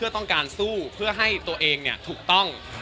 เพื่อต้องการสู้เพื่อให้ตัวเองถูกต้อง